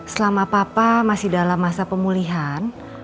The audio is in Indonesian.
selama papa masih dalam masa pemulihan